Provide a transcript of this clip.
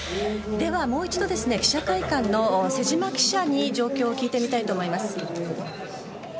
では、もう一度記者会館の瀬島記者に状況を聞いてみたいと思います。